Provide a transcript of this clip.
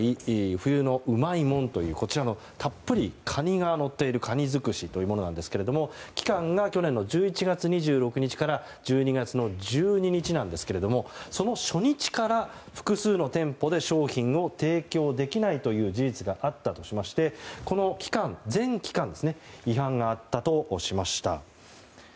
冬のうまいもんたっぷりカニがのっているかにづくしというものですが期間が去年の１１月２６日から１２月１２日ですがその初日から、複数の店舗で商品を提供できないという事実があったとしてまして全期間で違反があったとしました。